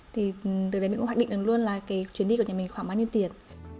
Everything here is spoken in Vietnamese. thì từ đấy mình cũng hoạch định được luôn là cái chuyến đi của nhà mình khoảng bao nhiêu tiền